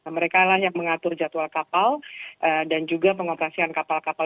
mereka lah yang mengatur jadwal kapal dan juga pengoperasian kapal kapal